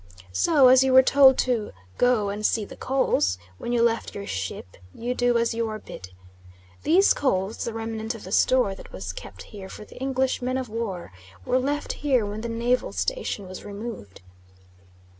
So, as you were told to "go and see the coals" when you left your ship, you do as you are bid. These coals, the remnant of the store that was kept here for the English men of war, were left here when the naval station was removed.